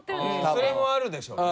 それもあるでしょうね。